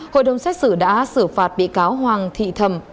hội đồng xét xử đã xử phạt bị cáo hoàng thị thầm